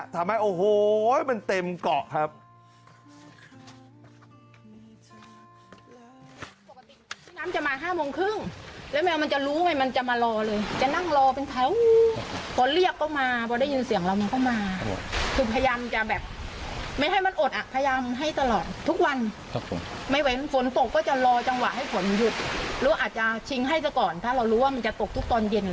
ทำให้โอ้โหมันเต็มเกาะครับ